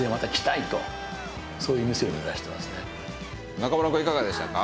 中村くんいかがでしたか？